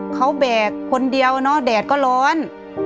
เขาแบกคนเดียวเนอะแดดก็ร้อน